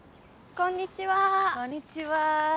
こんにちは。